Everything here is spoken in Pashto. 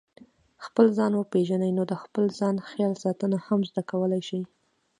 خپل ځان وپېژنئ نو د خپل ځان خیال ساتنه هم زده کولای شئ.